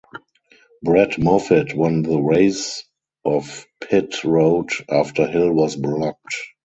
Brett Moffitt won the race off pit road after Hill was blocked.